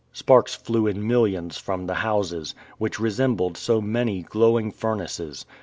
Sparks flew in millions from the houses, which resembled so many glowing furnaces.